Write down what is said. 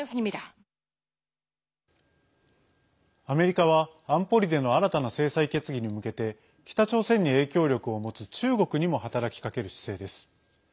アメリカは、安保理での新たな制裁決議に向けて北朝鮮に影響力を持つ中国にも働きかける姿勢です。